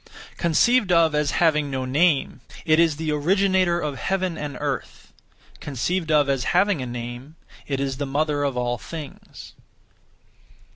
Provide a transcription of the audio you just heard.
(Conceived of as) having no name, it is the Originator of heaven and earth; (conceived of as) having a name, it is the Mother of all things.